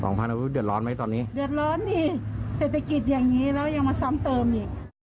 เดือดร้อนไหมตอนนี้เดือดร้อนอีกเศรษฐกิจอย่างนี้แล้วยังมาซ้ำเติมอีก